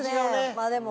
まあでも。